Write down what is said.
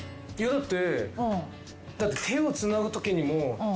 だって。